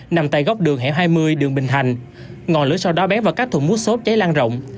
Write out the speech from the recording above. nằm tại góc đường hẻ hai mươi đường bình thành ngọn lửa sau đó bén vào các thùng mút xốp cháy lan rộng